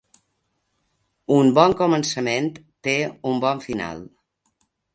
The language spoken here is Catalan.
Un bon començament té un bon final.